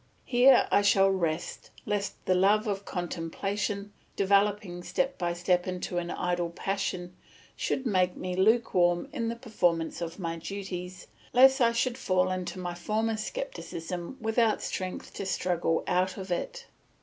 Here I shall rest, lest the love of contemplation, developing step by step into an idle passion, should make me lukewarm in the performance of my duties, lest I should fall into my former scepticism without strength to struggle out of it.